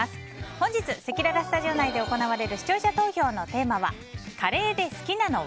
本日せきららスタジオ内で行われる視聴者投票のテーマはカレーで好きなのは？